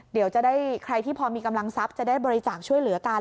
เดี๋ยวจะได้ใครที่พอมีกำลังทรัพย์จะได้บริจาคช่วยเหลือกัน